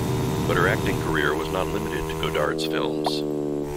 But her acting career was not limited to Godard's films.